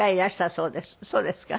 そうですか？